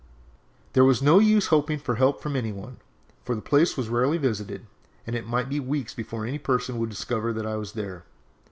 "There was no use hoping for help from any one, for the place was rarely visited, and it might be weeks before any person would discover that I was there.